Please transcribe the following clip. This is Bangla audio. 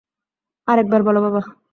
আরেকবার বলো বাবা।